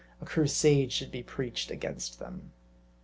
a crusade should be preached against them.